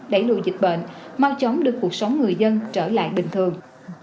đẩy lùi dịch bệnh mau chống được cuộc sống người dân trở lại bình thường